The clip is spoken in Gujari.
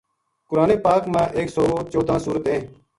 قرآن پاک ما ما ایک سو چوداں سورت ہیں۔